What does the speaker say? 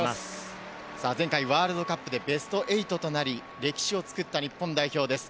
前回ワールドカップでベスト８となり、歴史を作った日本代表です。